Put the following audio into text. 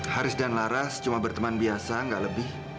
haris dan laras cuma berteman biasa nggak lebih